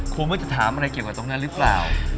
คงว่าจะถามอะไรเกี่ยวกับตรงนั้นหรือเปล่า